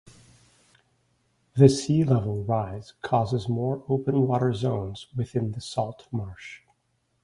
The sea level rise causes more open water zones within the salt marsh.